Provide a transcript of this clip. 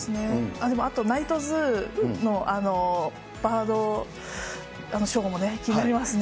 あと、ナイトズーのバードショーもね、気になりますね。